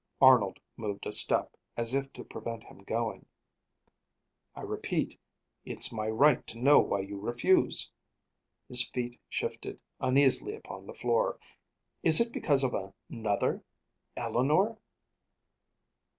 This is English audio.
Arnold moved a step, as if to prevent him going. "I repeat, it's my right to know why you refuse." His feet shifted uneasily upon the floor. "Is it because of another Eleanor?"